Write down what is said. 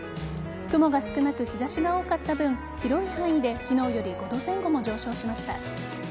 雲が少なく日差しが多かった分広い範囲で、昨日より５度前後も上昇しました。